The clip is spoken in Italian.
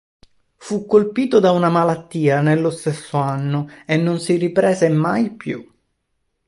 Fu colpito da una malattia nello stesso anno e non si riprese mai più.